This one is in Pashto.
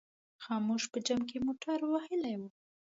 خاموش په جمپ کې موټر وهلی و.